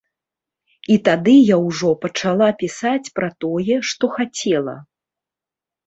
І тады я ўжо пачала пісаць пра тое, што хацела.